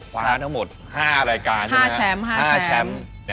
คว้าทั้งหมด๕รายการใช่ไหมครับ๕แชมป์แดนวัลอย่างนี้